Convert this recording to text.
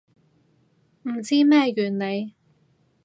唔知咩原理